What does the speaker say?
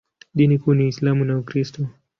Dini kuu ni Uislamu na Ukristo.